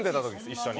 一緒に。